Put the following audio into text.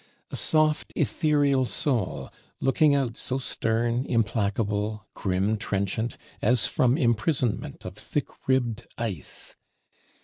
A soft, ethereal soul, looking out so stern, implacable, grim trenchant, as from imprisonment of thick ribbed ice!